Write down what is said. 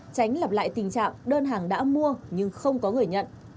đánh lặp lại tình trạng đơn hàng đã mua nhưng không có người nhận